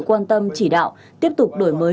quan tâm chỉ đạo tiếp tục đổi mới